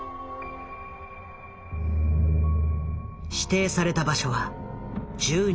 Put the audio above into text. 指定された場所は１２番。